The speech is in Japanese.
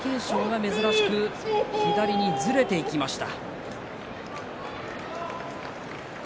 貴景勝が珍しく左にずれていきました。